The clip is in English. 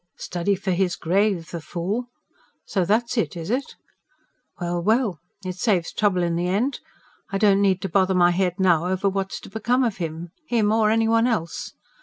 "Study for his grave, the fool! So that's it, is it? Well, well! it saves trouble in the end. I don't need to bother my head now over what's to become of him ... him or anyone else.